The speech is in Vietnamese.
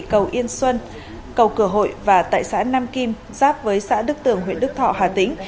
cầu yên xuân cầu cửa hội và tại xã nam kim giáp với xã đức tường huyện đức thọ hà tĩnh